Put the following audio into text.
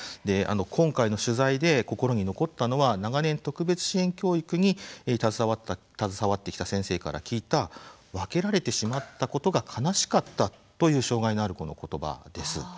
今回の取材で心に残ったのは長年特別支援教育に携わってきた先生から聞いた分けられてしまったことが悲しかったという障害のある子のことばです。